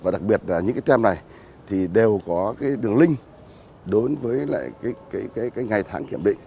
và đặc biệt là những cái tem này thì đều có cái đường link đối với lại ngày tháng kiểm định